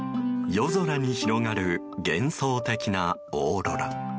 夜空に広がる幻想的なオーロラ。